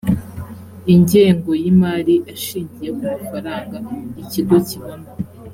ingengo y’imari ashingiye ku mafaranga ikigo kibona